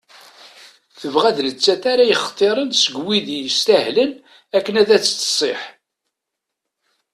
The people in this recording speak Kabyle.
Tebɣa d nettat ara t-yextiren seg wid yestahlen akken ad as-d-tsiḥ.